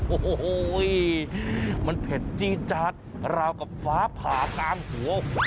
โอ้โหมันเผ็ดจี้จาดราวกับฟ้าผ่ากลางหัว